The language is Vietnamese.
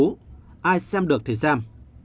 ai xem được thì xem